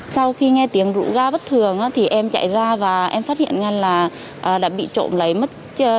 sau khi nghe tiếng rụ ga bất thường thì em chạy ra và em phát hiện ra là đã bị trộm lấy mất